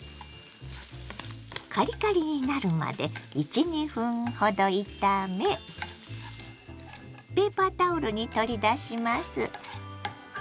カリカリになるまで１２分ほど炒めペーパータオルに取り出します。